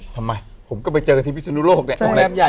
ทำไมผมก็ไปเจอที่พิษณุโลกเนี่ยโรงแรมใหญ่นะ